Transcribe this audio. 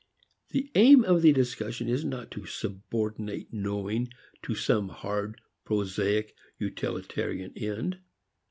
The aim of the discussion is not to subordinate knowing to some hard, prosaic utilitarian end.